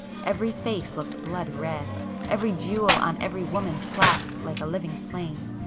Every face looked blood red!—every jewel on every woman flashed like a living flame!